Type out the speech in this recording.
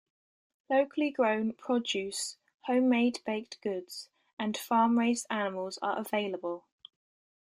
Locally grown produce, homemade baked goods, and farm-raised animals are available.